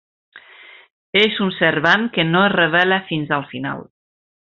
És un servant que no es revela fins al final.